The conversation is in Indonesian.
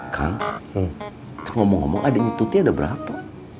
kang ngomong ngomong adiknya tuti ada berapa